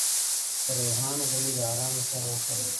د ریحان غوړي د ارام لپاره وکاروئ